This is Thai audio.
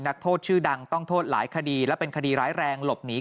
นักโทษชื่อดังต้องโทษหลายคดีและเป็นคดีร้ายแรงหลบหนี